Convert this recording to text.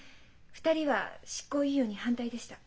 ２人は執行猶予に反対でした。